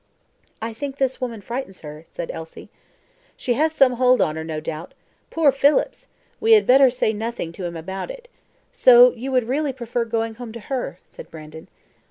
"I think this woman frightens her," said Elsie. "She has some hold on her, no doubt. Poor Phillips! we had better say nothing to him about it. So you would really prefer going home to her," said Brandon.